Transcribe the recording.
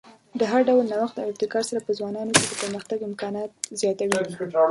د هر ډول نوښت او ابتکار سره په ځوانانو کې د پرمختګ امکانات زیاتوي.